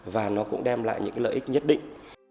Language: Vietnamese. và nó cũng đem lại những lợi ích nhất định